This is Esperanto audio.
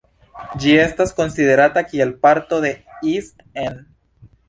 Ĝi estas konsiderata kiel parto de East End.